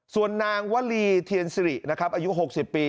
ส่วนนางวลีเทียนสิรินะครับอายุ๖๐ปี